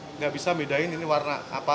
tidak bisa membedakan warna apa